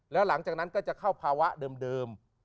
แล้วหลังจากนั้นก็จะเข้าภาวะเดิม